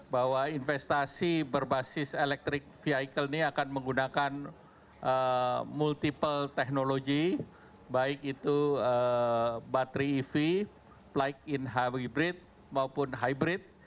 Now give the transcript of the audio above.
bahwa investasi berbasis elektrik vehicle ini akan menggunakan multiple teknologi baik itu baterai ev light in hybrid maupun hybrid